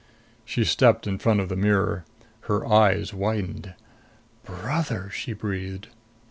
She stepped in front of the mirror. Her eyes widened. "Brother!" she breathed.